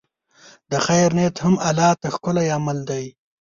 د خیر نیت هم الله ته ښکلی عمل دی.